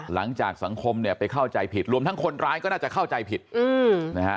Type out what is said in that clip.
หลังจากสังคมเนี่ยไปเข้าใจผิดรวมทั้งคนร้ายก็น่าจะเข้าใจผิดอืมนะฮะ